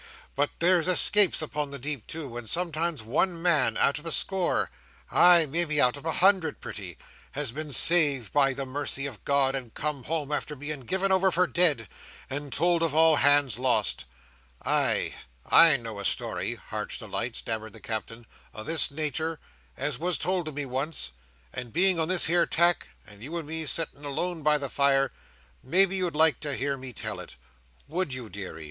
But there's escapes upon the deep, too, and sometimes one man out of a score,—ah! maybe out of a hundred, pretty,—has been saved by the mercy of God, and come home after being given over for dead, and told of all hands lost. I—I know a story, Heart's Delight," stammered the Captain, "o' this natur, as was told to me once; and being on this here tack, and you and me sitting alone by the fire, maybe you'd like to hear me tell it. Would you, deary?"